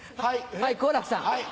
はい好楽さん。